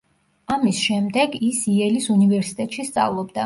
ამის შემდეგ ის იელის უნივერსიტეტში სწავლობდა.